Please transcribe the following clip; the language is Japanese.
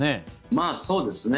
まあ、そうですね。